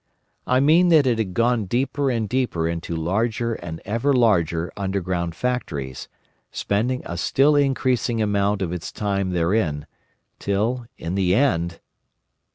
I mean that it had gone deeper and deeper into larger and ever larger underground factories, spending a still increasing amount of its time therein, till, in the end—!